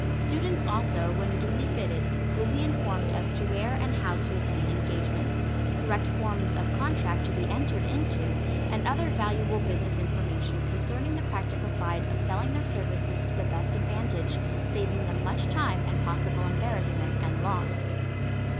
Students also, when duly fitted, will be informed as to where and how to obtain engagements, correct forms of contract to be entered into, and other valuable business information concerning the practical side of selling their services to the best advantage, saving them much time and possible embarrassment and loss.